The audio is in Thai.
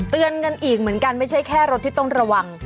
เตือนกันอีกเหมือนกันไม่ใช่แค่รถที่ต้องระวัง